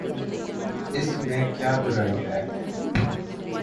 اس میں کیا برائی ہے؟